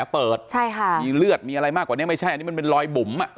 เปิดใช่ค่ะมีเลือดมีอะไรมากกว่านี้ไม่ใช่อันนี้มันเป็นรอยบุ๋ม